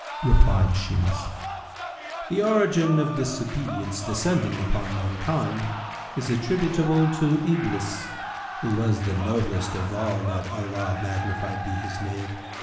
Replied Shimas, "The origin of disobedience descending upon mankind is attributable to Iblis, who was the noblest of all that Allah (magnified be His name!)